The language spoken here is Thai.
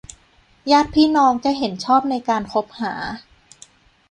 ญาติพี่น้องจะเห็นชอบในการคบหา